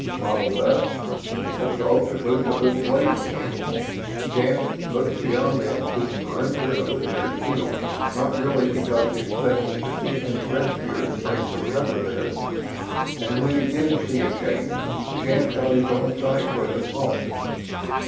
Mottled dusk.... The Throgs had moved a little away from him. Shann looked beyond them to the perimeter of the cleared field, not really because he expected to see any rescuers break from cover there. And when he did see a change, Shann thought his own sight was at fault.